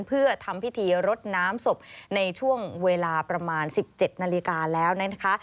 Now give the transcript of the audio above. เพื่อทำพิธีรดน้ำศพในช่วงเวลาประมาณ๑๗นาฬิกาแล้วนะคะ